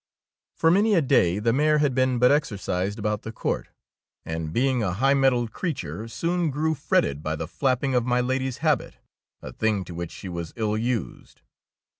For many a day the mare had been but exercised about the court, and be ing a high mettled creature, soon grew fretted by the flapping of my Lady's habit, — a thing to which she was ill used.